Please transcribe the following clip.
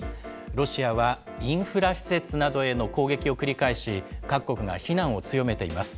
ロシアはインフラ施設などへの攻撃を繰り返し、各国が非難を強めています。